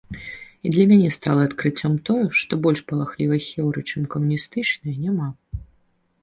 І для мяне стала адкрыццём тое, што больш палахлівай хеўры, чым камуністычная, няма.